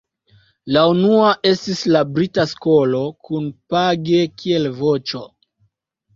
La unua estis la "brita skolo", kun Page kiel voĉo.